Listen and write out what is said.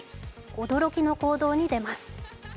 驚きの行動に出ます。